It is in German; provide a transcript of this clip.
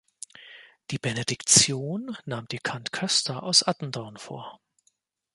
Die Benediktion nahm Dechant Köster aus Attendorn vor.